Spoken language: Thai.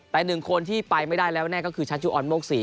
แต่หนึ่งคนที่ไปไม่ได้แล้วแน่ก็คือชัชจุออนโมกศรี